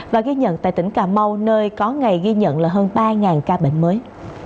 và ghi nhận tại tỉnh cà mau nơi có ngày ghi nhận là hơn ba ca bệnh mới